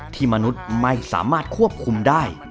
มนุษย์ไม่สามารถควบคุมได้